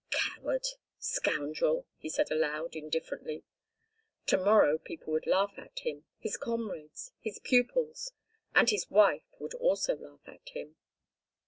"Coward! Scoundrel!" he said aloud, indifferently. To morrow people would laugh at him—his comrades, his pupils. And his wife would also laugh at him.